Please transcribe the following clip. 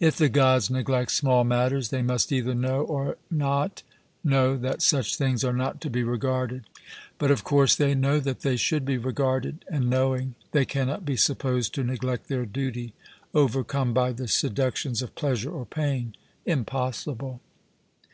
If the Gods neglect small matters, they must either know or not know that such things are not to be regarded. But of course they know that they should be regarded, and knowing, they cannot be supposed to neglect their duty, overcome by the seductions of pleasure or pain. 'Impossible.'